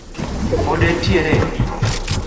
Pod en tiere